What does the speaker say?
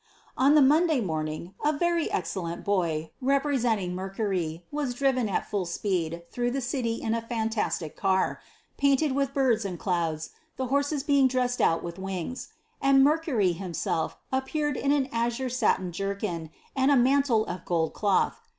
On the Monday morning, ^ a very excellent boy," representing Mer« cory, was driven at full speed through the city in a fantastic car, painted viih birds and clouds, tlie horses being dressed out with wings ; and Mercury himself appeared in an azure satin jerkin, and a mantle of gold cloth.